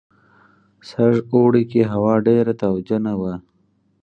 سږ اوړي کې هوا ډېره تاوجنه وه.